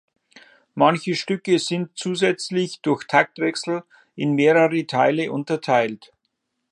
Manche Stücke sind zusätzlich durch Taktwechsel in mehrere Teile unterteilt.